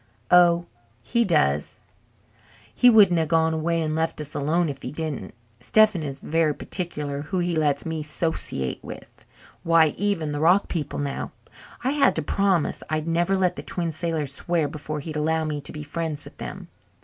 "Oh, he does! He wouldn't have gone away and left us alone if he didn't. Stephen is very particular who he lets me 'sociate with. Why, even the rock people now I had to promise I'd never let the Twin Sailors swear before he'd allow me to be friends with them.